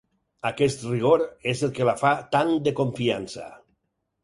Aquest rigor és el que la fa tan de confiança.